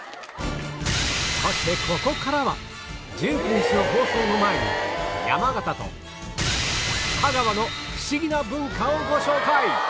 そしてここからは１９日の放送の前に山形と香川のフシギな文化をご紹介